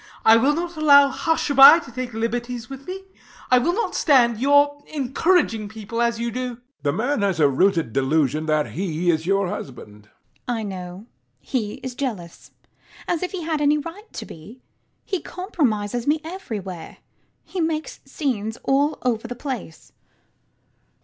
I will not allow Hushabye to take liberties with me. I will not stand your encouraging people as you do. HECTOR. The man has a rooted delusion that he is your husband. LADY UTTERWORD. I know. He is jealous. As if he had any right to be! He compromises me everywhere. He makes scenes all over the place.